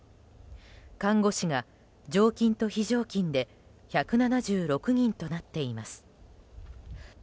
看護師が常勤と非常勤で１７６人となっています。